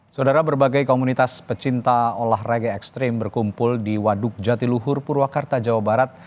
saudara berbagai komunitas pecinta olahraga ekstrim berkumpul di waduk jatiluhur purwakarta jawa barat